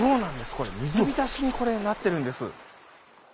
これ水浸しになってるんです。